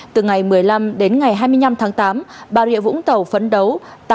từ ngày một mươi năm đến ngày hai mươi năm tháng tám bà rịa vũng tàu phấn đấu